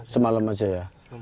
semalam aja ya